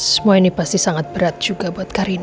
semua ini pasti sangat berat juga buat karina